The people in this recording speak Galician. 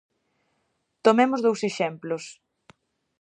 Tomemos dous exemplos.